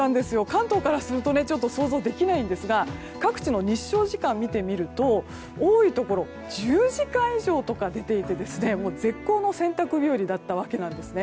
関東からすると想像できないんですが各地の日照時間を見てみると多いところでは１０時間以上とか出ていて絶好の洗濯日和だったわけなんです。